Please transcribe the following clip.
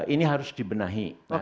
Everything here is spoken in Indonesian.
ini harus dibenahi oke